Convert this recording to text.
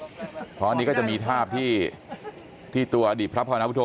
เพราะอันนี้ก็จะมีทาบที่ที่ตัวอดีตพระพาวนาพุทธโธ